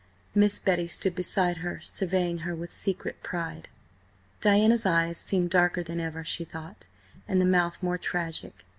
Miss Betty stood beside her, surveying her with secret pride. Diana's eyes seemed darker than ever, she thought, and the mouth more tragic.